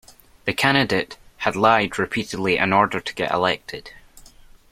The candidate had lied repeatedly in order to get elected